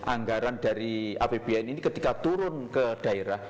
anggaran dari apbn ini ketika turun ke daerah